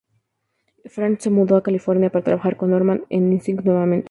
Freleng se mudó a California para trabajar con Harman e Ising nuevamente.